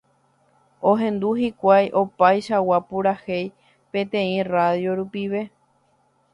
Ohendu hikuái opaichagua purahéi peteĩ radio rupive.